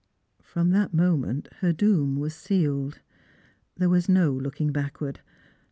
From that moment her doom was sealed. There was no look ing backward.